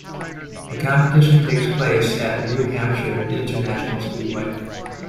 The competition takes place at the New Hampshire International Speedway.